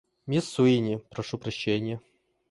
Мисс Суини, прошу прощения.